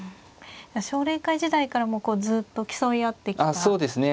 奨励会時代からもうずっと競い合ってきた一人なんですね。